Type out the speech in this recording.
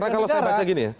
karena kalau saya baca gini ya